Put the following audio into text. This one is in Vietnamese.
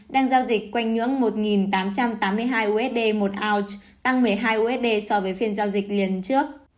đang giao dịch quanh ngưỡng một tám trăm tám mươi hai usd một ounce tăng một mươi hai usd so với phiên giao dịch liền trước